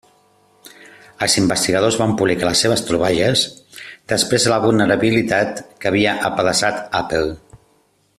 Els investigadors van publicar les seves troballes després de la vulnerabilitat que havia apedaçat Apple.